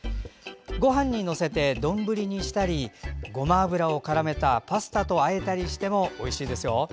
ごはんに載せて丼にしたりごま油をからめたパスタとあえたりしてもおいしいですよ。